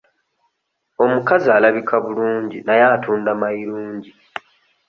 Omukazi alabika bulungi naye atunda mayirungi.